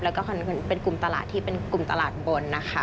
แล้วก็เป็นกลุ่มตลาดที่เป็นกลุ่มตลาดบนนะคะ